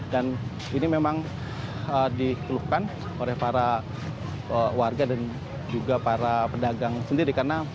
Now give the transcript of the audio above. dan ini memang dikeluhkan oleh para warga dan juga para pedagang sendiri